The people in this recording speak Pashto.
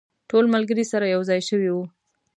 ټول ملګري سره یو ځای شوي وو.